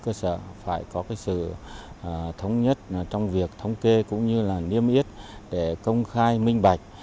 chúng ta sẽ phải có sự thống nhất trong việc thống kê cũng như niêm yết để công khai minh bạch